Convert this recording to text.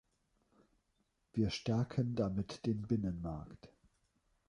Wir stärken damit den Binnenmarkt.